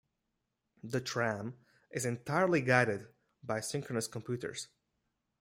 The tram is entirely guided by synchronous computers.